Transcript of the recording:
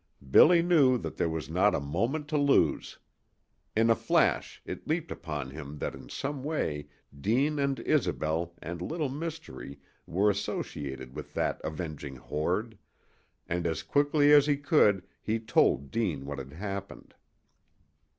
Billy knew that there was not a moment to lose. In a flash it had leaped upon him that in some way Deane and Isobel and Little Mystery were associated with that avenging horde, and as quickly as he could he told Deane what had happened.